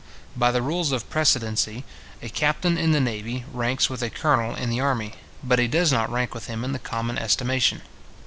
By the rules of precedency, a captain in the navy ranks with a colonel in the army; but he does not rank with him in the common estimation.